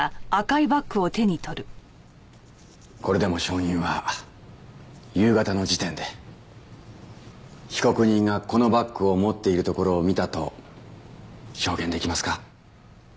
これでも証人は夕方の時点で被告人がこのバッグを持っているところを見たと証言出来ますか？